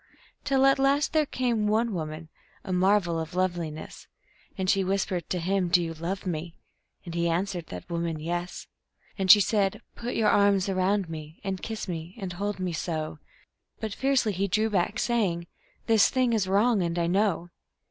Till at last there came One Woman, a marvel of loveliness, And she whispered to him: "Do you love me?" And he answered that woman, "Yes." And she said: "Put your arms around me, and kiss me, and hold me so " But fiercely he drew back, saying: "This thing is wrong, and I know."